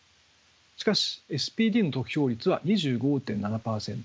しかしＳＰＤの得票率は２５．７％。